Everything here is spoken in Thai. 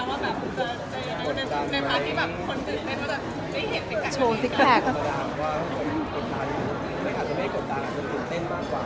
คือวันที่ถ่ายก็คลิกมาพอถ่ายเสร็จไม่ต้องทำกระดาษ